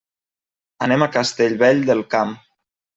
Anem a Castellvell del Camp.